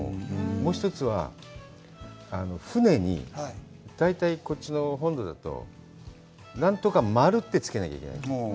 もう一つは、船に、大体こっちの、本土だと何とか丸ってつけなきゃいけないんですよ。